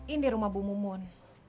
ini rumah bu mumun